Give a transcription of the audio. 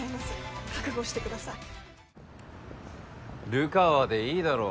流川でいいだろ。